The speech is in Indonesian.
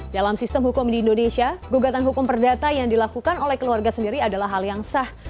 dalam sistem hukum di indonesia gugatan hukum perdata yang dilakukan oleh keluarga sendiri adalah hal yang sah